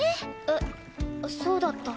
えっそうだった。